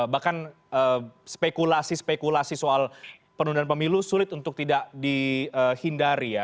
bahkan spekulasi spekulasi soal penundaan pemilu sulit untuk tidak dihindari ya